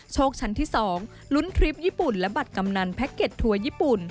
ชั้นที่๒ลุ้นทริปญี่ปุ่นและบัตรกำนันแพ็กเก็ตทัวร์ญี่ปุ่น